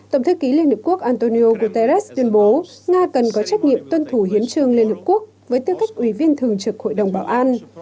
tổng thư ký liên hợp quốc antonio guterres tuyên bố nga cần có trách nhiệm tuân thủ hiến trương liên hợp quốc với tư cách ủy viên thường trực hội đồng bảo an